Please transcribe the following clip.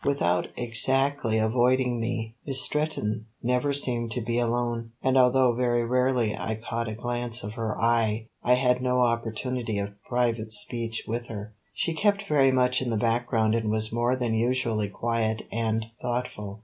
Without exactly avoiding me, Miss Stretton never seemed to be alone, and although very rarely I caught a glance of her eye I had no opportunity of private speech with her. She kept very much in the background and was more than usually quiet and thoughtful.